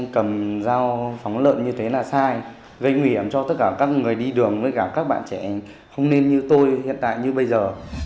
cầm dao phóng lợn như thế là sai gây nguy hiểm cho tất cả các người đi đường với cả các bạn trẻ không nên như tôi hiện tại như bây giờ